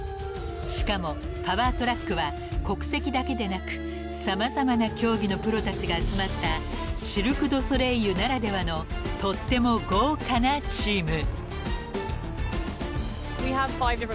［しかも「パワートラック」は国籍だけでなく様々な競技のプロたちが集まったシルク・ドゥ・ソレイユならではのとっても豪華なチーム］